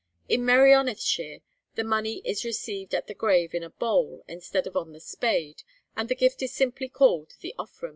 In Merionethshire the money is received at the grave in a bowl, instead of on the spade, and the gift is simply called the offrwm.